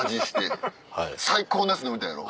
最高のやつ飲みたいやろ？